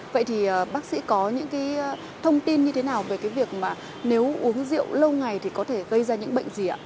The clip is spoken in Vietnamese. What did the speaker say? vậy thì bác sĩ có những cái thông tin như thế nào về cái việc mà nếu uống rượu lâu ngày thì có thể gây ra những bệnh gì ạ